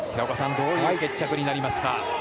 どういう決着になりますかね。